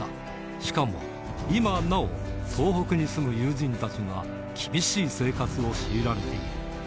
しかも今なお、東北に住む友人たちが厳しい生活を強いられている。